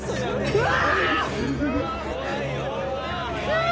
うわ！